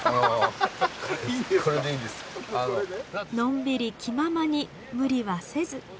のんびり気ままに無理はせず。